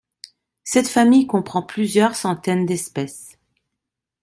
Cette famille comprend plusieurs centaines d'espèces.